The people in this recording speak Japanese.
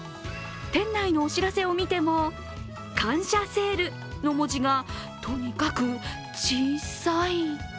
店内のお知らせを見ても「感謝セール」の文字がとにかく小さい。